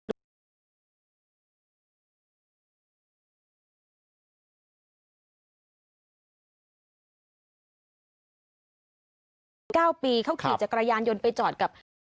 อันดับ๙ปีเขาขีดจากกระยานยนต์ไปจอดกับ